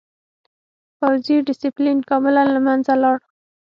پوځي ډسپلین کاملاً له منځه لاړ.